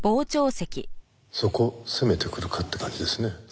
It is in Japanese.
そこ責めてくるかって感じですね。